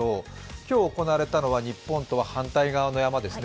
今日行われたのは日本と反対側の山ですね。